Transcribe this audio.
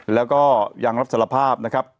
แล้วก็ยังรับสารภาพนะครับ